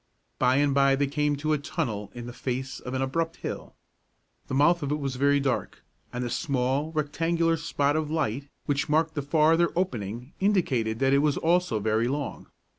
By and by they came to a tunnel in the face of an abrupt hill. The mouth of it was very dark, and the small, rectangular spot of light which marked the farther opening indicated that it was also very long.